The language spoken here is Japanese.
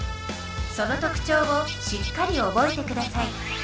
その特徴をしっかり覚えてください。